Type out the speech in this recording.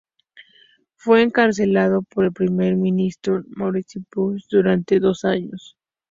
Fue encarcelado por el Primer Ministro Maurice Bishop durante dos años.